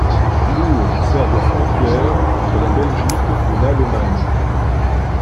L'Our sert de frontière entre la Belgique et l'Allemagne.